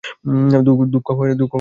দুঃখুও হয়, হাসিও পায়।